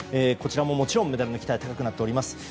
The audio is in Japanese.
こちらも、もちろんメダルの期待高くなっております。